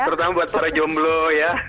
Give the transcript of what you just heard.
terutama buat para jomblo ya